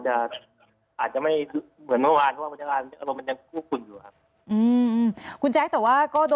อาจจะไม่เหมือนเมื่อวานเพราะว่าบรรยากาศมันอยู่